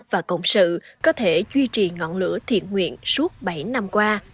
và cộng sự có thể duy trì ngọn lửa thiện nguyện suốt bảy năm qua